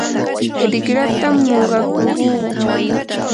rikratam muqakurquu.